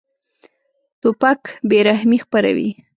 توپک بېرحمي خپروي.